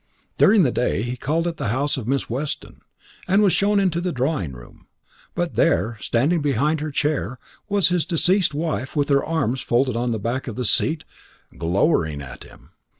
During the day he called at the house of Miss Weston, and was shown into the drawing room. But there, standing behind her chair, was his deceased wife with her arms folded on the back of the seat, glowering at him.